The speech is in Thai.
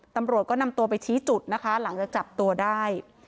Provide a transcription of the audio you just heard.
ตำรวจก็นำตัวไปชี้จุดนะคะหลังจากจับตัวได้